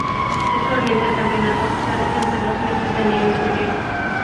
Usualmente el campeonato se realiza entre los meses de enero y febrero.